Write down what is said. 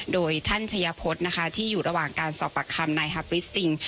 โดยท่านชัยพฤทธิ์นะคะที่อยู่ระหว่างการสอบปากคำในฮัพฤทธิ์สิงห์